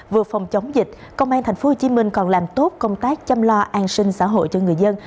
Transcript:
vừa phòng chống dịch công an tp hcm còn làm tốt công tác chăm lo an sinh xã hội cho người dân